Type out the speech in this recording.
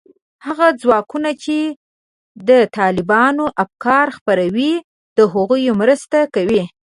هغه ځواکونو چې د طالبانو افکار خپروي، د هغوی مرسته کوي